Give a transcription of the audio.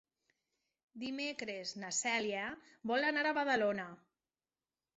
Dimecres na Cèlia vol anar a Badalona.